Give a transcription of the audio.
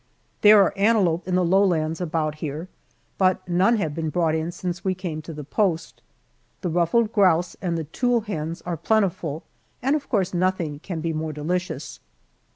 There are antelope in the lowlands about here, but none have been brought in since we came to the post. The ruffed grouse and the tule hens are plentiful, and of course nothing can be more delicious.